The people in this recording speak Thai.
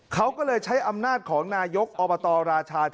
เขาก็เลยใช้อำนาจของนายกอบตราชาเทวะครับ